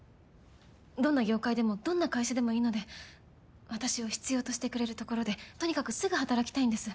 どんな業界でもどんな会社でもいいので私を必要としてくれるところでとにかくすぐ働きたいんです。